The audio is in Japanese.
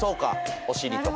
お尻とか。